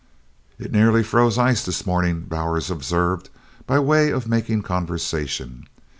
"It near froze ice this mornin'," Bowers observed by way of making conversation.